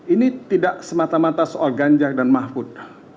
ini tidak semata mata soal ganjar dan mahfud